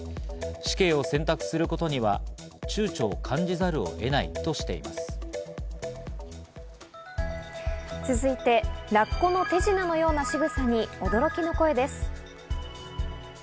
死刑を選択することには躊躇を感じざる続いてラッコの手品のような仕草に驚きの声です。